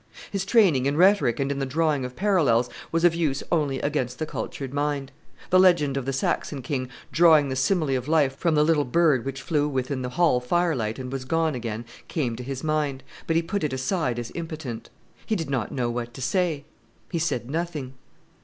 His training in rhetoric and in the drawing of parallels was of use only against the cultured mind. The legend of the Saxon king drawing the simile of life from the little bird which flew within the hall firelight and was gone again came to his mind, but he put it aside as impotent. He did not know what to say; he said nothing.